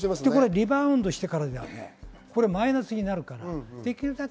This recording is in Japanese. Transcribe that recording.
リバウンドしてからではマイナスになるからできるだけ